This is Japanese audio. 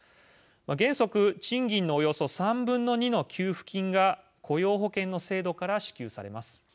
原則、賃金のおよそ３分の２の給付金が雇用保険の制度から支給されます。